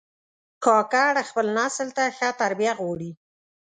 کاکړ خپل نسل ته ښه تربیه غواړي.